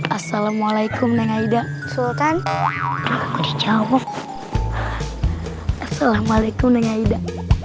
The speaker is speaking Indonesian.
assalamualaikum neng aida sultan di jawab assalamualaikum neng aida